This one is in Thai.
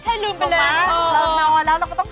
ตามแอฟผู้ชมห้องน้ำด้านนอกกันเลยดีกว่าครับ